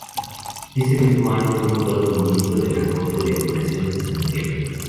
Ese mismo año fue nombrado Ministro de la Corte de Apelaciones de Santiago.